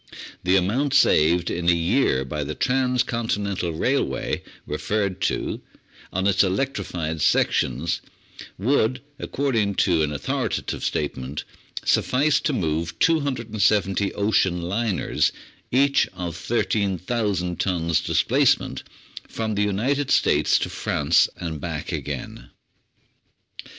The amount saved in a year by the Transcontinental railway referred to on its electrified sections would, according to an authoritative statement, suffice to move 270 ocean liners, each of 13,000 tons displacement, from the United States to France and back again.